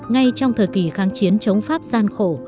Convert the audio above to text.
ngay trong thời kỳ kháng chiến chống pháp gian khổ